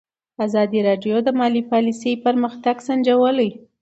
ازادي راډیو د مالي پالیسي پرمختګ سنجولی.